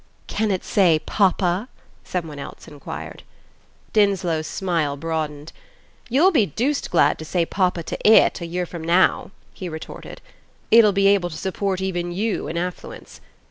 "Can it say papa?" someone else inquired. Dinslow's smile broadened. "You'll be deuced glad to say papa to IT a year from now," he retorted. "It'll be able to support even you in affluence.